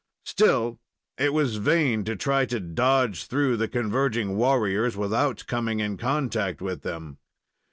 Still, it was vain to try to dodge through the converging warriors without coming in contact with them.